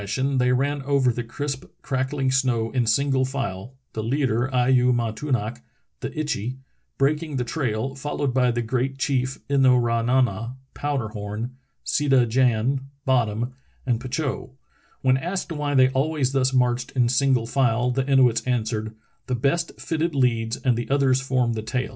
The Missionary's Arctic Trail 303 Eskimo fashion, tliev ran over the crisp, crackHng snow in single file, the leader I you ma tou nak (the itchy) breaking the trail, followed by the great chief In no ra na na (Powder Horn), Sida Jan (Bottom), and Petitot. When asked why they always thus marched in single file the Inuits answered: "The best fitted leads and the others form the tail.